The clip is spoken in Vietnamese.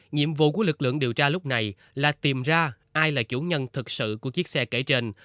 nhiệm vụ của lực lượng điều tra lúc này là tìm ra ai là chủ nhân thật sự của chiếc xe kể trên